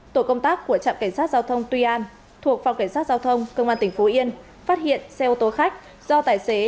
tổ công tác của trạm cảnh sát giao thông tuy an thuộc phòng cảnh sát giao thông công an tỉnh phú yên phát hiện xe ô tô khách do tài xế